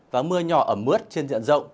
và mưa nhỏ ẩm mướt trên diện rộng